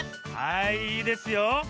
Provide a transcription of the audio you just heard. はいいいですよ！